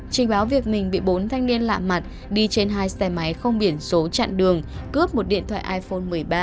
trình báo việc mình bị bốn thanh niên lạ mặt đi trên hai xe máy không biển số chặn đường cướp một điện thoại iphone một mươi ba